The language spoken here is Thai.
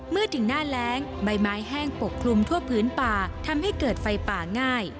เมื่อถึงหน้าแรงใบไม้แห้งปกคลุมทั่วพื้นป่าทำให้เกิดไฟป่าง่าย